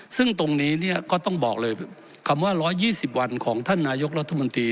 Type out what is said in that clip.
ซึ่งตรงนี้เนี่ยก็ต้องบอกเลยคำว่า๑๒๐วันของท่านนายกรัฐมนตรี